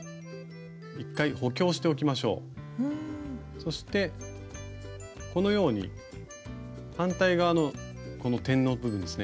そしてこのように反対側のこの点の部分ですね